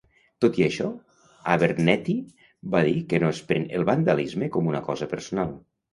Tot i això, Abernethy va dir que no es pren el vandalisme com una cosa personal.